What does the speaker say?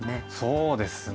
そうですね。